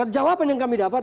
jawaban yang kami dapat